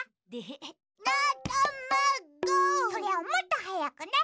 それをもっとはやくね。